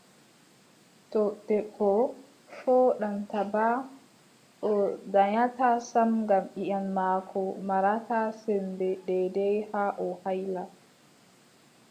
To debbo fooɗan taba, o danyataa sam ngam ƴiiƴam maako marataa semmbe deydey haa o hayla.